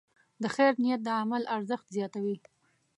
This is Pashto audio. د خیر نیت د عمل ارزښت زیاتوي.